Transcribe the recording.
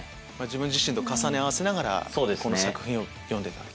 自分自身と重ね合わせながらこの作品を読んでた。